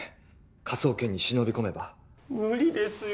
科捜研に忍び込めば無理ですよ